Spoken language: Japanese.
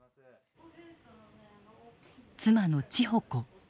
妻の千穂子。